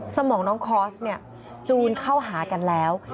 สมองน้องคอร์สจูนเข้าหากันแล้ว